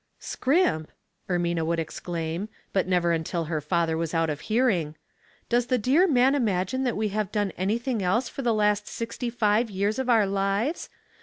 " Scrimp !" Ermina would exclaim, but never until her father was out of hearing. "Does the dear man imagine that we have done anythkig else for the last sixty five years of our lives?